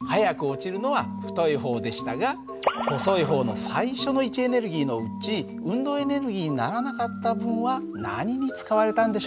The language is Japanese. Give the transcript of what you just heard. はやく落ちるのは太い方でしたが細い方の最初の位置エネルギーのうち運動エネルギーにならなかった分は何に使われたんでしょう？